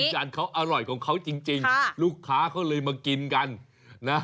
จานเขาอร่อยของเขาจริงลูกค้าเขาเลยมากินกันนะ